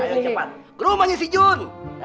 ayo cepat ke rumahnya si jun